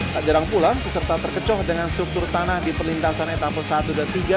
tak jarang pula peserta terkecoh dengan struktur tanah di perlintasan etapa satu dan tiga